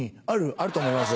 「あると思います」。